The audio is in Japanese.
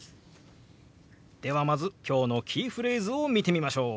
ではまず今日のキーフレーズを見てみましょう。